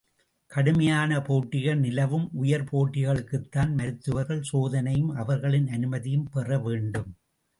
கடுமையான போட்டிகள் நிலவும் உயர் போட்டிகளுக்குத்தான் மருத்துவர்கள் சோதனையும், அவர்களின் அனுமதியும் பெற வேண்டும்.